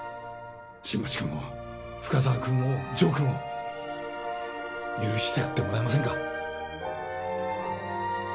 新町君を深沢君を城君を許してやってもらえませんか？